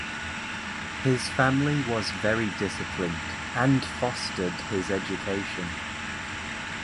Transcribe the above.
His family was very disciplined and fostered his education.